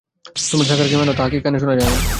তোমরা সাকারকে মান, তাহাকে কানে শোনা যায় না।